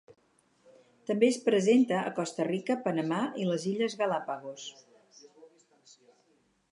També és present a Costa Rica, Panamà i les Illes Galápagos.